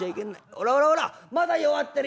ほらほらほらまだ弱ってる」。